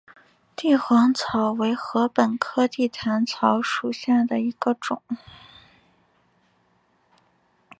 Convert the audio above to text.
帝皇草为禾本科地毯草属下的一个种。